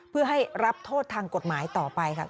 เพื่อให้รับโทษทางกฎหมายต่อไปค่ะ